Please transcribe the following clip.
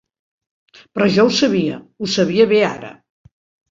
Però jo ho sabia, ho sabia bé ara.